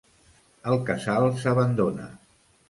El Casal s'abandona.